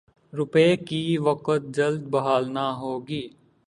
روپے کی وقعت جلد بحال نہ ہوگی۔